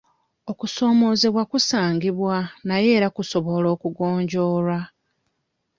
Okusoomoozebwa kusangibwa naye era kusobola okugonjoolwa.